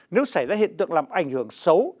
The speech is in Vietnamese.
nếu xảy ra hiện tượng làm ảnh hưởng xấu